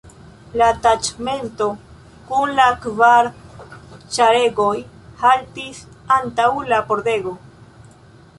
La taĉmento kun la kvar ĉaregoj haltis antaŭ la pordego.